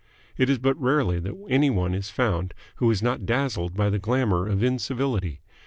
It is but rarely that any one is found who is not dazzled by the glamour of incivility.